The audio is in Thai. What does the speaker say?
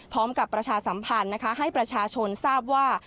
พร้อมกับประชาสัมพันธ์ให้ประชาชนทราบว่า